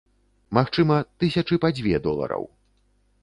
Магчыма, тысячы па дзве долараў.